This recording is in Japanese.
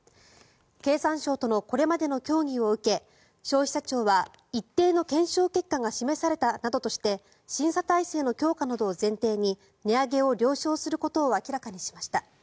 経産省とのこれまでの協議を受け消費者庁は、一定の検証結果が示されたなどとして審査体制の強化などを前提に値上げを了承することを明らかにしました。